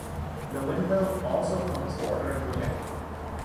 The windmill also pumps water into a tank.